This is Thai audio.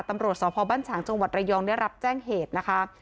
ตำรวจสพบ้านฉางจังหวัดระยองได้รับแจ้งเหตุนะคะ